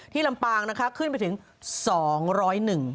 ลำปางนะคะขึ้นไปถึงสองร้อยหนึ่ง